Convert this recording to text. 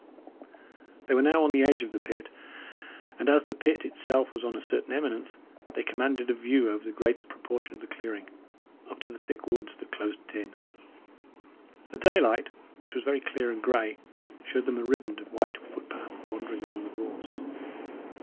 They were now on the edge of the pit; and as the pit itself was on a certain eminence, they commanded a view over the greater proportion of the clearing, up to the thick woods that closed it in. The daylight, which was very clear and grey, showed them a riband of white footpath wandering among the gorse.